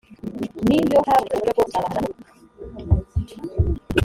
n iyo habonetse uburyo bwo gusabana na bo